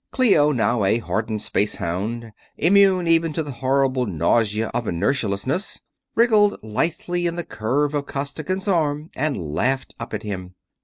Clio, now a hardened spacehound, immune even to the horrible nausea of inertialessness, wriggled lithely in the curve of Costigan's arm and laughed up at him.